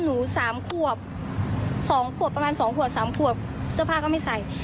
สามขวบสองขวบประมาณ๒ขวบ๓ขวบเสื้อผ้าก็ไม่ใส่